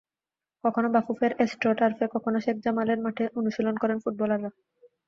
কখনো বাফুফের অ্যাস্ট্রো টার্ফে, কখনো শেখ জামালের মাঠে অনুশীলন করেন ফুটবলাররা।